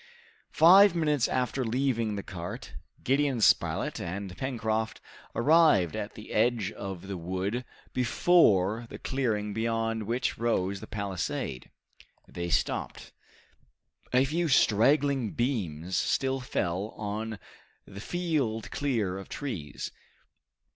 Five minutes after leaving the cart, Gideon Spilett and Pencroft arrived at the edge of the wood before the clearing beyond which rose the palisade. They stopped. A few straggling beams still fell on the field clear of trees.